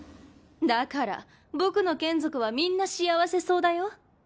だから僕の眷属はみんな幸せそうだよ。